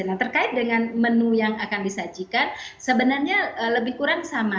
nah terkait dengan menu yang akan disajikan sebenarnya lebih kurang sama